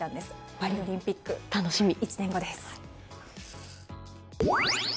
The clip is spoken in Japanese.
パリオリンピック、１年後です。